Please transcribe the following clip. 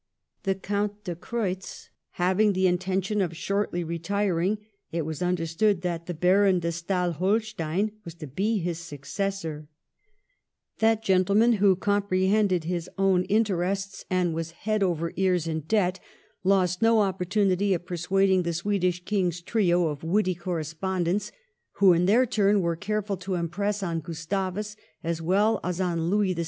The Count de Creutz having the intention of shortly retiring, it^ was understood that the Baron de Stael Holstein was to be his successor. That gentleman, who comprehended his own interests, and was head Digitized by VjOOQIC 30 MADAME DE STAEL. over ears in debt, lost no opportunity of persuad ing the Swedish King's trio of witty correspon dents, who in their turn were careful to impress on Gustavus, as well as on Louis XVI.